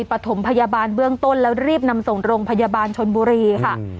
ปฐมพยาบาลเบื้องต้นแล้วรีบนำส่งโรงพยาบาลชนบุรีค่ะ